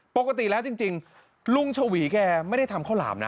ปกติแล้วจริงลุงชวีแกไม่ได้ทำข้าวหลามนะ